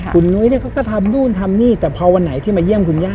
คุณนุ้ยเนี่ยเขาก็ทำนู่นทำนี่แต่พอวันไหนที่มาเยี่ยมคุณย่า